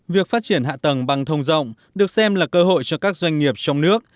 việc phát triển hạ tầng băng thông rộng được xem là cơ hội cho các doanh nghiệp trong nước